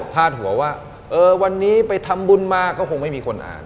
พาดหัวว่าวันนี้ไปทำบุญมาก็คงไม่มีคนอ่าน